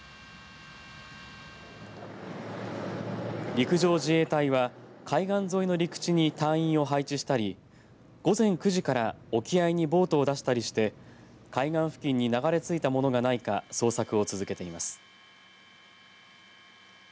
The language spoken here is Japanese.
陸上自衛隊は、海岸沿いの陸地に隊員を配置したり午前９時から沖合にボートを出したりして海岸付近に流れついたものがないか捜索を続けています。